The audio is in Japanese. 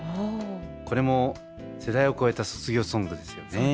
これも世代を超えた卒業ソングですよね。